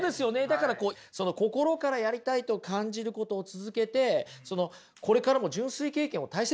だから心からやりたいと感じることを続けてこれからも純粋経験を大切にしていけばね